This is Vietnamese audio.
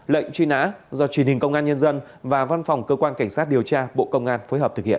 lệnh truy nã do truyền hình công an nhân dân và văn phòng cơ quan cảnh sát điều tra bộ công an phối hợp thực hiện